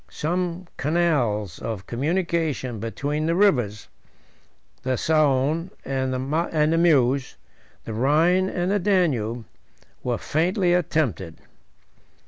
Some canals of communication between the rivers, the Saone and the Meuse, the Rhine and the Danube, were faintly attempted.